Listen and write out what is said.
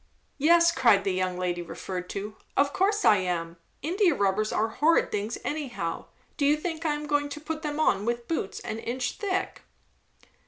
"Yes," cried the young lady referred to; "of course I am! India rubbers are horrid things anyhow; do you think I am going to put them on with boots an inch thick?"